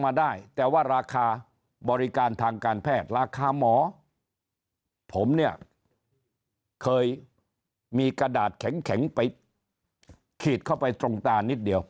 มาได้แต่ว่าราคาบริการทางการแพทย์ราคาหมอผมเนี่ยเคยมี